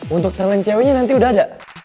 untuk talent ceweknya nanti udah ada